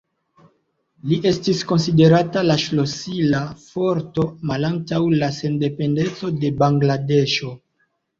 Li estis konsiderata la ŝlosila forto malantaŭ la sendependeco de Bangladeŝo.